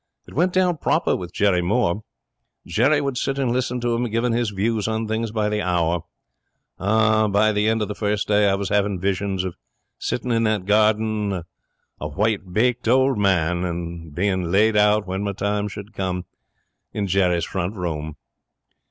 It went down proper with Jerry Moore. Jerry would sit and listen to him giving his views on things by the hour. By the end of the first day I was having visions of sitting in that garden a white baked old man, and being laid out, when my time should come, in Jerry's front room.'